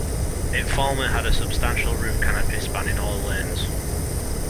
It formerly had a substantial roof canopy spanning all lanes.